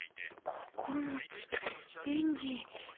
９つエンジン。